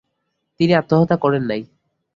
তিনি আত্মহত্যা করেন নাই”।